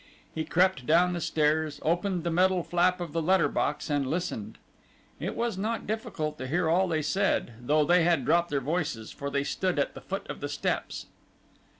He crept down the stairs, opened the metal flap of the letter box and listened. It was not difficult to hear all they said, though they had dropped their voices, for they stood at the foot of the steps.